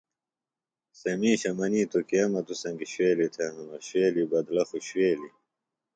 سےۡ مِیشہ منِیتوۡ کے مہ توۡ سنگیۡ شُوویلیۡ تھےۡ ہنوۡ، شُوویلیۡ بدلہ خوۡ شُوویلیۡ